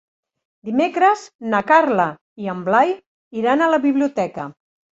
Dimecres na Carla i en Blai iran a la biblioteca.